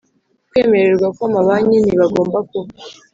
kwemererwa kw Amabanki ntibagomba kuba